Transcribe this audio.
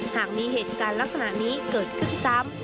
หากมีเหตุการณ์ลักษณะนี้เกิดขึ้นซ้ำ